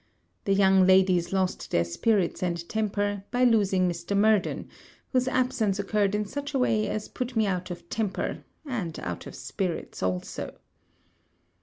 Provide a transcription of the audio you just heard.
The young ladies lost their spirits and temper, by losing Mr. Murden, whose absence occurred in such a way as put me out of temper, and out of spirits also.